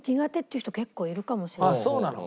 そうなの？